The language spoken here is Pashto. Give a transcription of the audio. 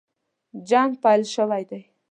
جنګ پیل شوی دی.